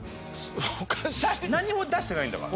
なんにも出してないんだから。